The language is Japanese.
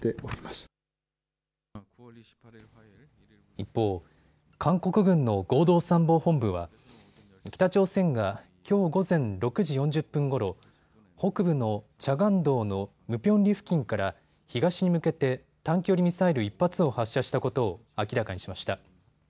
一方、韓国軍の合同参謀本部は北朝鮮がきょう午前６時４０分ごろ、北部のチャガン道のムピョンリ付近から東に向けて短距離ミサイル１発を発射したことを明らかにしました。